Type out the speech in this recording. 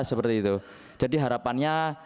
seperti itu jadi harapannya